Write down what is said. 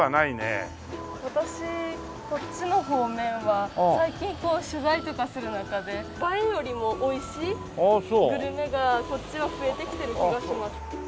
私こっちの方面は最近取材とかする中で映えよりも美味しいグルメがこっちは増えてきてる気がします。